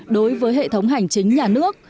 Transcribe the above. đối với hệ thống hành chính nhà nước